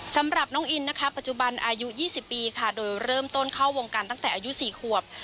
สำหรับน้องอินนะคะปัจจุบันอายุ๒๐ปีค่ะโดยเริ่มต้นเข้าวงการตั้งแต่อายุ๔ขวบ